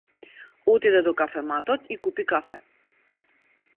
Отиде до кафематот и купи кафе.